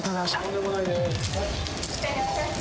とんでもないです